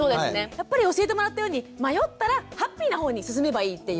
やっぱり教えてもらったように迷ったらハッピーなほうに進めばいいっていう。